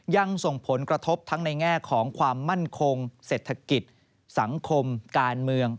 ยังส่งผลกระทบทั้งในแง่ของความมั่นคงเศรษฐกิจสังคมการเมือง